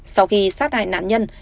sau khi sát hại nạn nhân